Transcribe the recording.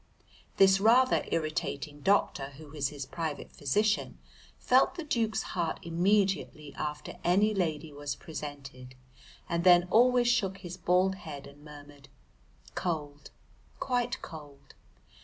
This rather irritating doctor, who was his private physician, felt the Duke's heart immediately after any lady was presented, and then always shook his bald head and murmured, "Cold, quite cold!"